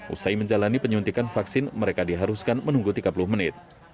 usai menjalani penyuntikan vaksin mereka diharuskan menunggu tiga puluh menit